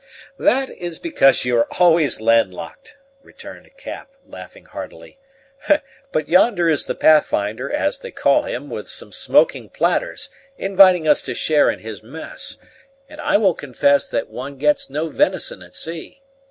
"That is because you are always land locked," returned Cap, laughing heartily; "but yonder is the Pathfinder, as they call him, with some smoking platters, inviting us to share in his mess; and I will confess that one gets no venison at sea.